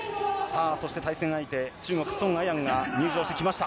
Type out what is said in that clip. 対戦相手、中国のソン・アヤンが入場してきました。